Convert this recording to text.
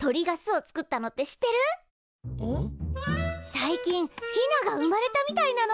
最近ヒナが生まれたみたいなの。